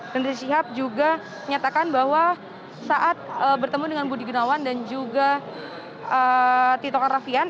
dan rizik syihab juga menyatakan bahwa saat bertemu dengan budi gunawan dan juga tito karnavian